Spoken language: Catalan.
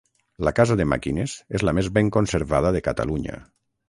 La casa de màquines és la més ben conservada de Catalunya.